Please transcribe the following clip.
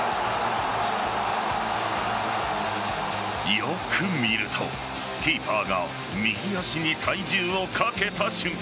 よく見るとキーパーが右足に体重をかけた瞬間